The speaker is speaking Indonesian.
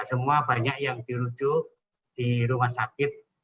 semua banyak yang dirujuk di rumah sakit